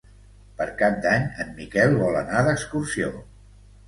Per Cap d'Any en Miquel vol anar d'excursió.